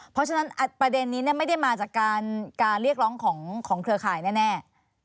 เพราะฉะนั้นประเด็นนี้ไม่ได้มาจากการเรียกร้องของเครือข่ายแน่